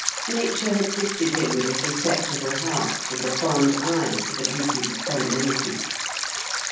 Nature had gifted him with a susceptible heart and a fond eye for the beauties of femininity.